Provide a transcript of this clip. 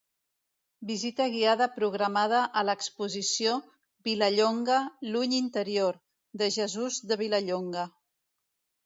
Visita guiada programada a l'exposició "Vilallonga, l'ull interior" de Jesús de Vilallonga.